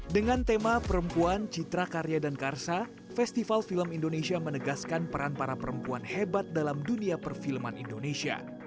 dengan tema perempuan citra karya dan karsa festival film indonesia menegaskan peran para perempuan hebat dalam dunia perfilman indonesia